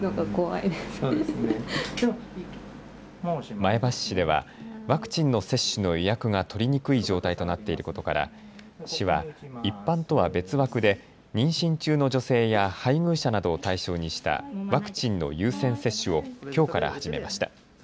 前橋市ではワクチンの接種の予約が取りにくい状態となっていることから市は一般とは別枠で妊娠中の女性や配偶者などを対象にしたワクチンの優先接種をきょうから始めました。